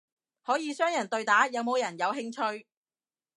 可以雙人對打，有冇人有興趣？